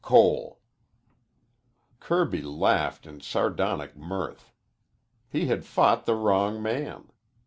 COLE Kirby laughed in sardonic mirth. He had fought the wrong man.